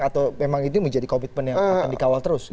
atau memang ini menjadi komitmen yang akan dikawal terus